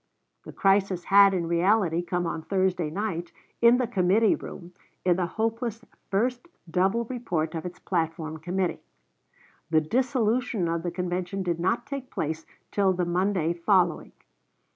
The "crisis" had in reality come on Thursday night, in the committee room, in the hopeless first double report of its platform committee. The dissolution of the convention did not take place till the Monday following.